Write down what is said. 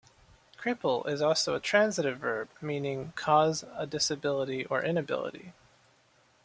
Cripple is also a transitive verb, meaning "cause a disability or inability".